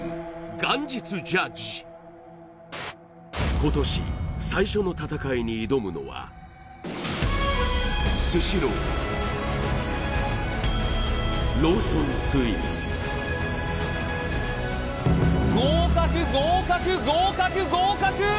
今年最初の戦いに挑むのはスシローローソンスイーツ合格合格合格合格！